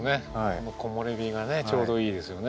この木漏れ日がねちょうどいいですよね。